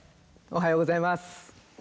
おはようございます。